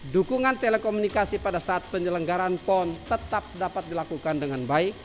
dukungan telekomunikasi pada saat penyelenggaran pon tetap dapat dilakukan dengan baik